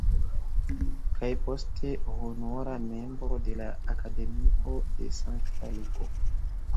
Kaj, poste, honora membro de la Akademio de Sankta Luko.